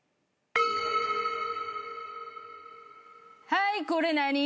はいこれ何？